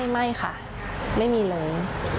ไม่ค่ะไม่มีเลย